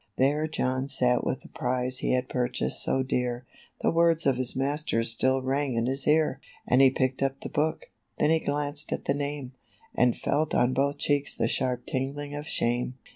There John sat with the prize he had purchased so dear; The words of his master still rang in his ear. And he picked up the hook; then he glanced at the name, And felt on both cheeks the sharp tingling of shame.